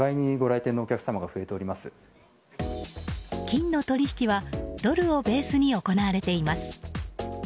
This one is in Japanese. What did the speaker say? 金の取引はドルをベースに行われています。